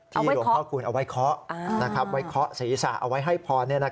หลวงพ่อคูณเอาไว้เคาะไว้เคาะศีรษะเอาไว้ให้พร